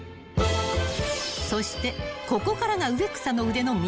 ［そしてここからが植草の腕の見せどころ］